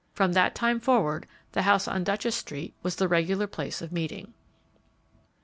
From that time forward the house on Duchess street was the regular place of meeting. IV.